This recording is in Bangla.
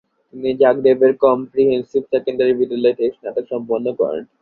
তিনি জাগরেবের কম্প্রিহেনসিভ সেকেন্ডারি বিদ্যালয় থেকে স্নাতক সম্পন্ন করেন।